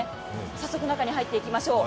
早速、中に入っていきましょう。